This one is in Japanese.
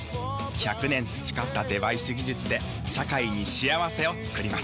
１００年培ったデバイス技術で社会に幸せを作ります。